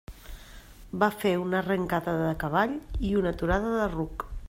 Va fer una arrencada de cavall i una aturada de ruc.